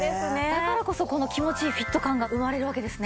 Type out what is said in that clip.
だからこそこの気持ちいいフィット感が生まれるわけですね。